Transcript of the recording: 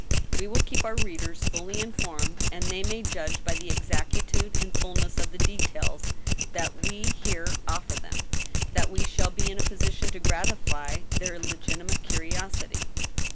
" We will keep our readers fully informed, and they may judge, by the exactitude and fullness of the details that we here offer them, that we shall be in a position to gratify their legitimate curi osity.